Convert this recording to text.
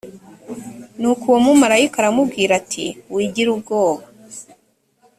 nuko uwo mumarayika aramubwira ati “wigira ubwoba”